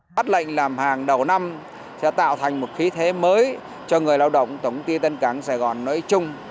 bắt lệnh làm hàng đầu năm sẽ tạo thành một khí thế mới cho người lao động tổng ty tân cảng sài gòn nối chung